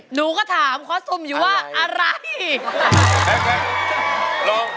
หนูก็ถามความสุขอยู่ว่าอะไรอะไร